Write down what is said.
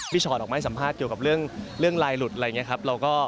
ชอตออกมาให้สัมภาษณ์เกี่ยวกับเรื่องลายหลุดอะไรอย่างนี้ครับ